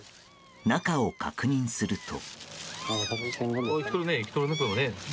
中を確認すると。